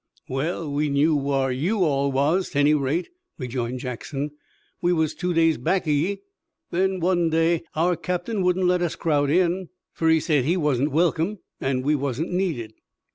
"Well, we knew whar you all was, 't any rate," rejoined Jackson. "We was two days back o' ye, then one day. Our captain wouldn't let us crowd in, fer he said he wasn't welcome an' we wasn't needed.